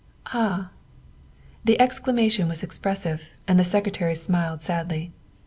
"Ah!" the exclamation was expressive, and the Sec retary smiled sadly.